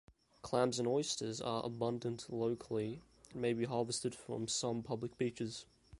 Clams and Oysters are abundant locally and may be harvested from some public beaches.